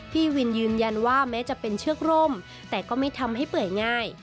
พี่วินยืนยันว่าแม้จะเป็นเชือกร่มแต่ก็ไม่ทำให้เปื่อยง่าย